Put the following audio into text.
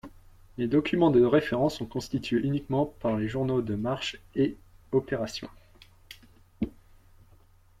Les documents de référence sont constitués uniquement par les journaux de Marches et Opérations.